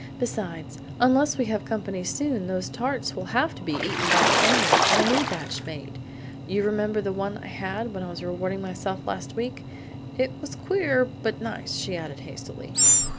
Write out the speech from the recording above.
Besides, unless we have company soon, those tarts will have to be eaten by the family, and a new batch made; you remember the one I had when I was rewarding myself last week? That was queer but nice," she added hastily.